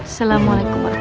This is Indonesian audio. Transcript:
assalamualaikum bang ustaz